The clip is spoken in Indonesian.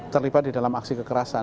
terlibat di dalam aksi kekerasan